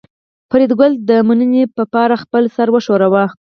فریدګل د مننې په پار خپل سر وښوراوه